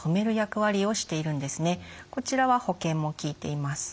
こちらは保険も利いています。